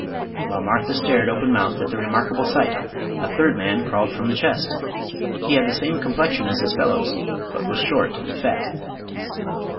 While Martha stared open mouthed at the remarkable sight a third man crawled from the chest. He had the same complexion as his fellows, but was short and fat.